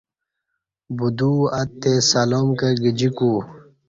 بدوو اتی سلام کہ گجیکو